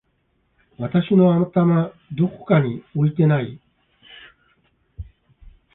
私の頭どこかに置いてない？！